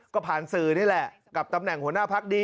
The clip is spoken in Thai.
ก็ผ่านสื่อนี่แหละกับตำแหน่งหัวหน้าพักดี